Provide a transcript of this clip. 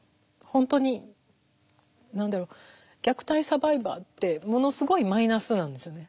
本当に虐待サバイバーってものすごいマイナスなんですよね。